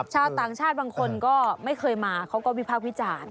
ชาวต่างชาติบางคนก็ไม่เคยมาเขาก็วิพากษ์วิจารณ์